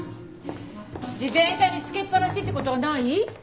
自転車につけっぱなしって事はない？